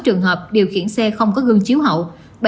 bảy trăm hai mươi bảy trường hợp điều khiển xe không có gương chiếu hậu